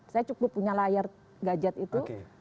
saya cukup punya layar gadget itu